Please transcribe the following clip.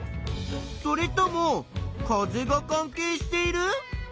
それとも風が関係している？